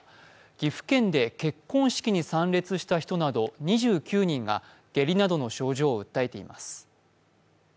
岐阜県で結婚式に参列した人など２９人が下痢などの症状を訴えています。